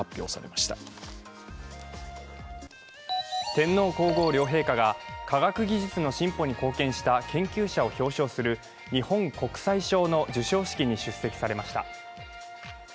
天皇・皇后両陛下が科学技術の進歩に貢献した研究者を表彰する日本国際賞の授賞式に出席されました。